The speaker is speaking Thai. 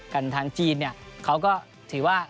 ทางจีนเนี่ยเขาก็ถือว่า